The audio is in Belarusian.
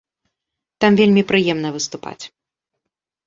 Там вельмі прыемна выступаць.